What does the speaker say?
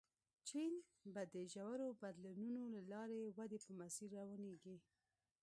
چین به د ژورو بدلونونو له لارې ودې په مسیر روانېږي.